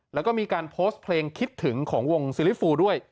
แล้วก็มีการโพสต์เพลงคิดถึงของวงซิลิฟูด้วย